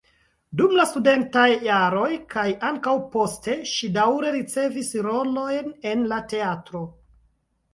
Dum la studentaj jaroj kaj ankaŭ poste ŝi daŭre ricevis rolojn en la teatro.